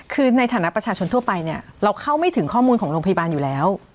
คือในฐานะประชาชนทั่วไปเนี่ยเราเข้าไม่ถึงข้อมูลของโรงพยาบาลอยู่แล้ว